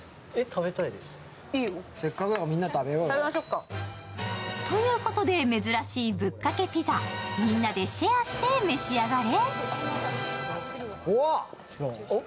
せっかくだからみんな食べようよ。ということで、珍しいぶっかけピザ、みんなでシェアして召し上がれ。